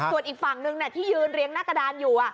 ส่วนอีกฝั่งนึงที่ยืนเรียงหน้ากระดานอยู่